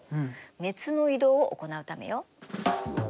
熱の移動を行うためよ。